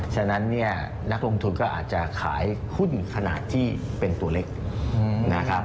ฉะนั้นเนี่ยนักลงทุนก็อาจจะขายหุ้นขนาดที่เป็นตัวเล็กนะครับ